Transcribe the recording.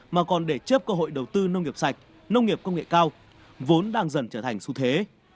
mà còn để trước cơ hội đầu tư nông nghiệp sạch nông nghiệp công nghệ cao vốn đang dần trở thành xu thế